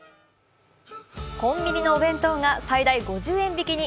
コンビニのお弁当が最大５０％引きに。